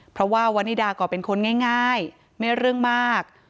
เพราะว่าวันนิดาก็เป็นคนง่ายไม่เรื่องมาก